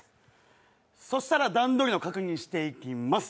そしたら段取りの確認していきますｎ。